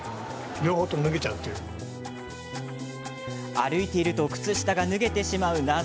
歩いていると靴下が脱げてしまう謎。